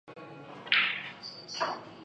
属于第四收费区。